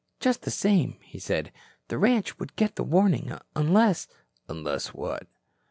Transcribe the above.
"Just the same," he said, "the ranch would get the warning, unless " "Unless what?"